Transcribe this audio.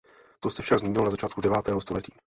To se však změnilo na začátku devátého století.